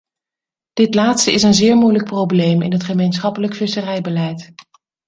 Dit laatste is een zeer moeilijk probleem in het gemeenschappelijk visserijbeleid.